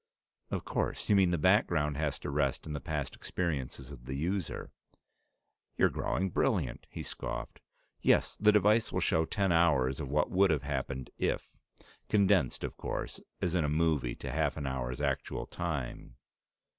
"Of course. You mean the background has to rest in the past experiences of the user." "You're growing brilliant," he scoffed. "Yes. The device will show ten hours of what would have happened if condensed, of course, as in a movie, to half an hour's actual time."